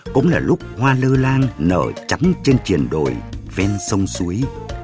cũng là lúc hoa lơ lang nở chắn trên triền đồi ven sông suối